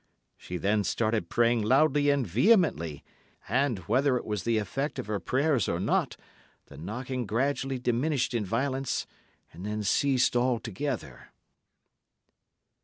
She then started praying loudly and vehemently, and, whether it was the effect of her prayers or not, the knocking gradually diminished in violence, and then ceased altogether.